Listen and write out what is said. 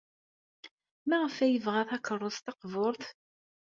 Maɣef ay yebɣa takeṛṛust taqburt?